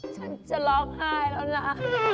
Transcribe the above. ฉันจะร้องไห้แล้วนะ